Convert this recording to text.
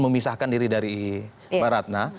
memisahkan diri dari mbak ratna